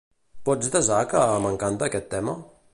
Pots desar que m'encanta aquest tema?